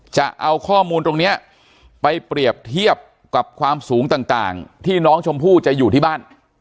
จะเอาข้อมูลตรงนี้ไปเปรียบเทียบกับความสูงต่างที่น้องชมพู่จะอยู่ที่บ้าน